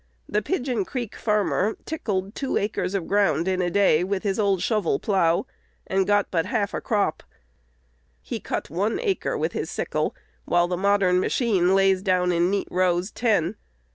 The Pigeon Creek farmer "tickled" two acres of ground in a day with his old shovel plough, and got but half a crop. He cut one acre with his sickle, while the modern machine lays down in neat rows ten.